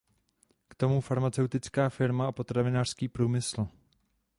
K tomu farmaceutická firma a potravinářský průmysl.